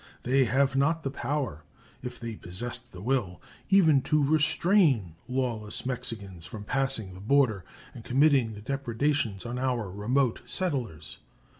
They have not the power, if they possessed the will, even to restrain lawless Mexicans from passing the border and committing depredations on our remote settlers.